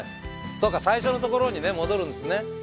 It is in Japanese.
そうか最初のところに戻るんですね。